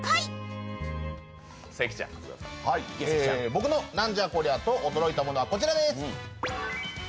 僕の「なんじゃこりゃ！と驚いたもの」はこちらです。